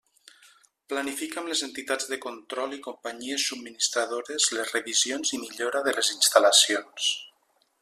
Planifica amb les entitats de control i companyies subministradores les revisions i millora de les instal·lacions.